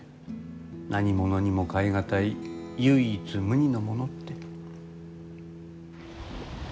何物にも代え難い唯一無二のものって。